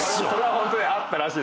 ⁉ホントにあったらしいです。